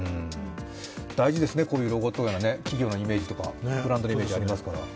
大事ですね、こういうロゴとか企業のイメージとか、ブランドのイメージがありますから。